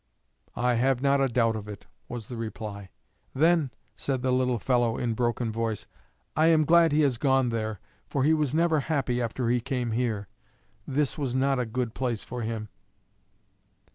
"I have not a doubt of it," was the reply. "Then," said the little fellow in broken voice, "I am glad he has gone there, for he was never happy after he came here. This was not a good place for him!"